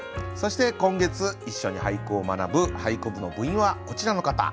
そして今月一緒に俳句を学ぶ俳句部の部員はこちらの方。